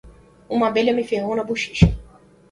Um abelha me ferroou na bochecha.